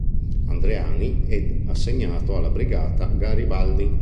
Andreani" ed assegnato alla Brigata "Garibaldi".